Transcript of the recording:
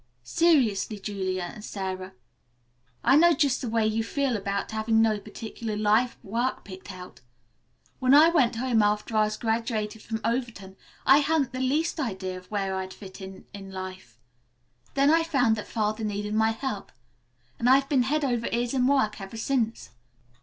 "Seriously, Julia and Sara, I know just the way you feel about having no particular life work picked out. When I went home after I was graduated from Overton I hadn't the least idea of where I'd fit in in life. Then I found that Father needed my help, and I've been head over ears in work ever since.